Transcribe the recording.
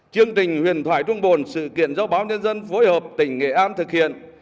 chương trình huyền thoại trung bồn sự kiện do báo nhân dân phối hợp tỉnh nghệ an thực hiện